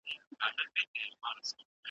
ستا د ګرېوان ستا د پېزوان لپاره ,